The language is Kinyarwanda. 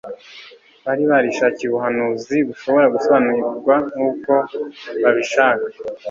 Bari barishakiye ubuhanuzi bushobora gusobanurwa nk'uko babishaka,